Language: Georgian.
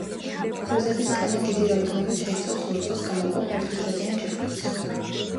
თევზების კანი დიდი რაოდენობით შეიცავს ლორწოს გამომყოფ ერთუჯრედიან ჯირკვლებს.